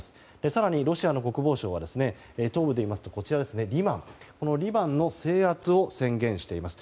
更にロシアの国防省は東部で言いますとリマンこのリマンの制圧を宣言しています。